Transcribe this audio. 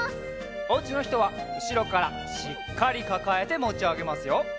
おうちのひとはうしろからしっかりかかえてもちあげますよ。